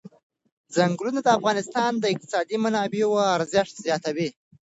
چنګلونه د افغانستان د اقتصادي منابعو ارزښت زیاتوي.